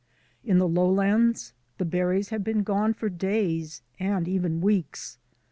In the lowlands the berries have been gone for days and even weeks.